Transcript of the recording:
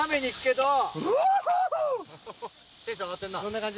どんな感じ？